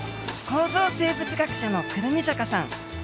構造生物学者の胡桃坂さん。